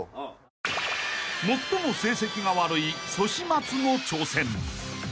［最も成績が悪いソシ松の挑戦］